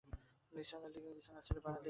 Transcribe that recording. নিসার আলি বিছানা ছেড়ে বারান্দায় এসে বসলেন।